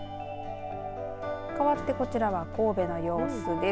かわって、こちらは神戸の様子です。